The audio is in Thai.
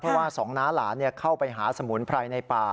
เพราะว่าสองน้าหลานเข้าไปหาสมุนไพรในป่า